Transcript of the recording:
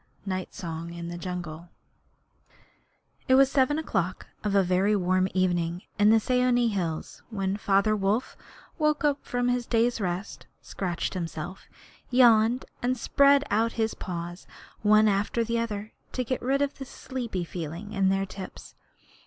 Night Song in the Jungle. It was seven o'clock of a very warm evening in the Seeonee hills when Father Wolf woke up from his day's rest, scratched himself, yawned, and spread out his paws one after the other to get rid of the sleepy feeling in their tips.